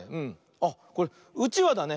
あっこれ「うちわ」だね。